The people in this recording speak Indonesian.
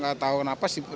tidak tahu kenapa sih